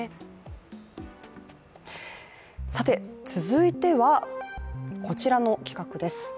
続いては、こちらの企画です。